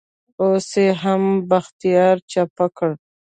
اوس يې هم بختيار چپه کړ.